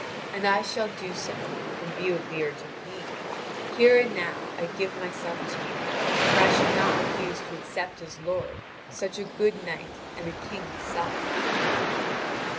And I shall do so, in view of the urgent need: here and now I give myself to you; for I should not refuse to accept as lord, such a good knight and a king's son."